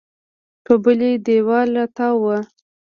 په بلې دېوال راتاو و.